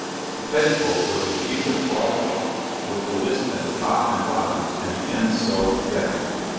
The petticoat was a piece of broadcloth with the list at the top and bottom and the ends sewed together.